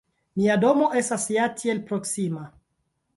Mia domo estas ja tiel proksima!